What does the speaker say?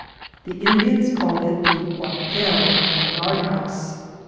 The Indians called it the quartel or guard house.